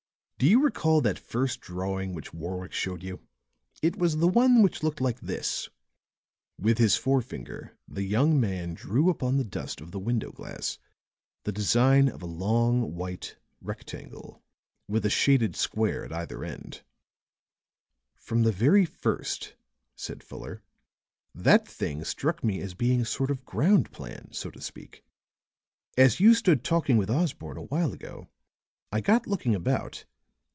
Do you recall that first drawing which Warwick showed you? It was the one which looked like this." With his forefinger the young man drew upon the dust of the window glass the design: "From the very first," said Fuller, "that thing struck me as being a sort of ground plan, so to speak. As you stood talking with Osborne a while ago, I got looking about.